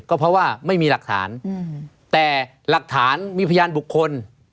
ก็เพราะว่าไม่มีหลักฐานแต่หลักฐานมีพยานบุคคล